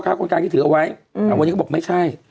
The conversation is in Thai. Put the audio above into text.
ข้าวโครงการที่ถือเอาไว้แต่วันนี้ก็บอกไม่ใช่